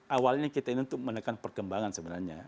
awalnya kita ini untuk menekan perkembangan sebenarnya